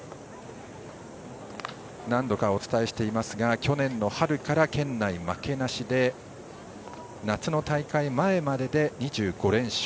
何度かお伝えしていますが去年の春から県内負けなしで夏の大会前までで２５連勝。